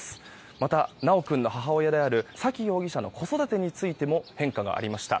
また、修君の母親である沙喜容疑者の子育てについても変化がありました。